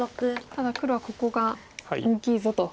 ただ黒はここが大きいぞと。